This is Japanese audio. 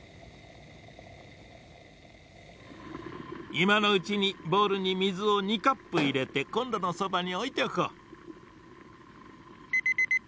いまのうちにボウルにみずを２カップいれてコンロのそばにおいておこう。